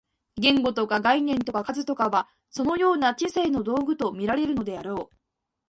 言語とか概念とか数とかは、そのような知性の道具と見られるであろう。